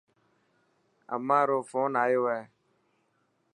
امان رو فون آيو هي.